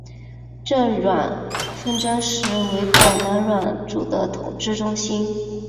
郑阮纷争时期成为广南阮主的统治中心。